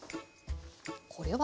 これは？